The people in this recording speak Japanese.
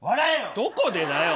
どこでだよ！